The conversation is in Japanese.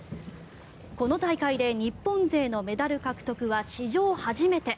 この大会で日本勢のメダル獲得は史上初めて。